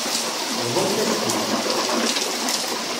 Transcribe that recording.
Bḍumt-as-t-id.